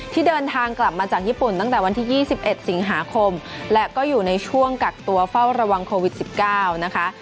เดินทางกลับมาจากญี่ปุ่นตั้งแต่วันที่๒๑สิงหาคมและก็อยู่ในช่วงกักตัวเฝ้าระวังโควิด๑๙นะคะ